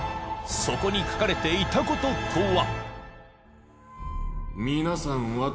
そこに書かれていたこととは？